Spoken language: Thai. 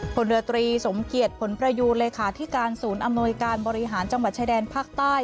ผลเรือตรีสมเกียจผลประยูนเลขาธิการศูนย์อำนวยการบริหารจังหวัดชายแดนภาคใต้